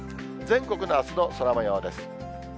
全国のあすの空もようです。